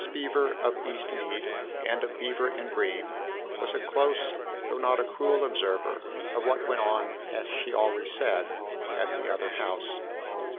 BEEVER of Eastmead, and of " Beever and Bream/' was a close, though not a cruel observer of what went on, as she always said, at the other house.